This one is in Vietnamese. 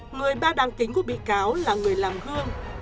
người ba đáng kính của bị cáo là người làm gương